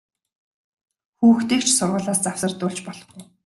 Хүүхдийг ч сургуулиас завсардуулж болохгүй!